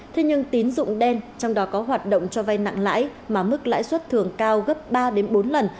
thế nhưng tín dụng đen trong đó có hoạt động cho vay nặng lãi mà mức lãi suất thường cao gấp ba bốn lần